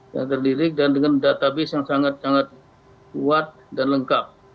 yang terdirik dan dengan database yang sangat sangat kuat dan lengkap